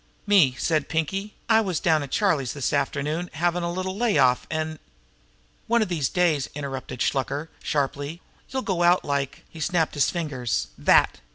"Me," said Pinkie, "I was down to Charlie's this afternoon havin' a little lay off, an' " "One of these days," interrupted Shluker sharply, "you'll go out like" he snapped his fingers "that!"